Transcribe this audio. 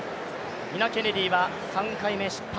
ニナ・ケネディは３回目失敗。